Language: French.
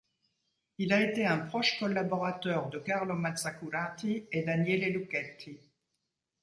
Il a été un proche collaborateur de Carlo Mazzacurati et Daniele Luchetti.